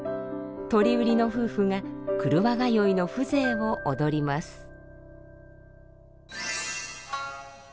鳥売りの夫婦が廓通いの風情を踊ります。